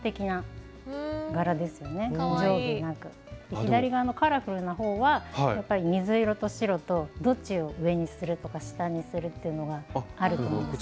左側のカラフルな方はやっぱり水色と白とどっちを上にするとか下にするっていうのがあると思うんですけど。